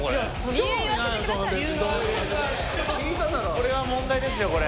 これは問題ですよこれ。